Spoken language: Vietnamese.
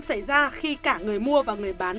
xảy ra khi cả người mua và người bán